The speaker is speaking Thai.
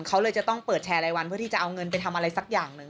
เขาเลยจะต้องเปิดแชร์รายวันเพื่อที่จะเอาเงินไปทำอะไรสักอย่างหนึ่ง